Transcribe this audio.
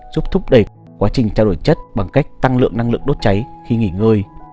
giúp thúc đẩy quá trình trao đổi chất bằng cách tăng lượng năng lượng đốt cháy khi nghỉ ngơi